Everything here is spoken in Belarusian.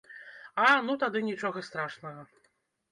А, ну тады нічога страшнага.